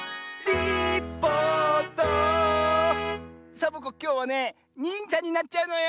サボ子きょうはね「にんじゃ」になっちゃうのよ！